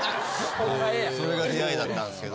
それが出会いだったんですけど。